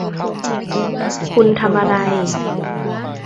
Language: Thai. คุณทำอะไร